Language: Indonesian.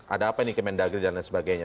ada apa ini kemendagri dan lain sebagainya